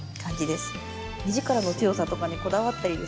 目力の強さとかにこだわったりですね